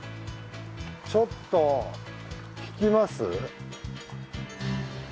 ちょっと聞きます？